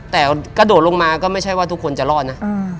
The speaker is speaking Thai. แต่กระโดดลงมาก็ไม่ใช่ว่าทุกคนจะรอดนะ